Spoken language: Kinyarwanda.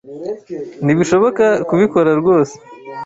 Ntibishoboka kubikora ryose